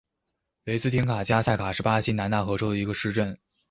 雷斯廷加塞卡是巴西南大河州的一个市镇。